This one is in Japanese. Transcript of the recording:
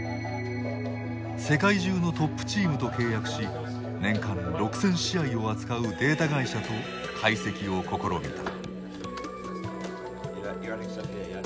世界中のトップチームと契約し年間６０００試合を扱うデータ会社と解析を試みた。